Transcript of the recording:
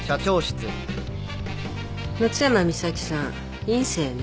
松山美咲さん院生ね。